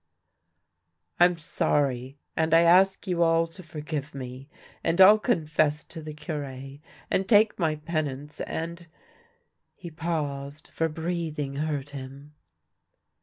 " I'm sorry, and I ask you all to forgive me, and I'll confess to the Cure, and take my penance, and " he paused, for breathing hurt him.